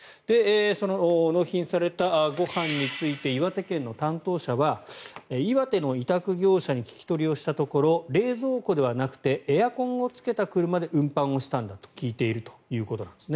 その納品されたご飯について岩手県の担当者は岩手の委託業者に聞き取りをしたところ冷蔵庫ではなくてエアコンをつけた車で運搬をしたんだと聞いているということです。